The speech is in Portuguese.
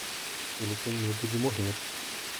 Ele tem medo de morrer.